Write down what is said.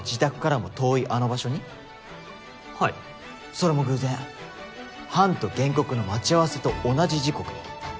それも偶然ハンと原告の待ち合わせと同じ時刻に。